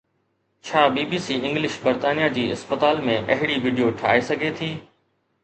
ڇا B B C English برطانيه جي اسپتال ۾ اهڙي وڊيو ٺاهي سگهي ٿي؟